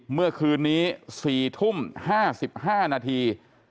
เมื่อคืนนี้๔ทุ่ม๕๕นาที